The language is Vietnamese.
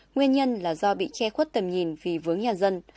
nguyên nhân là do bị che khuất tầm nhìn vì vướng nhà dân